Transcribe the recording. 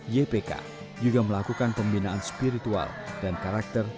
ypk juga melakukan pembinaan spiritual dan karakter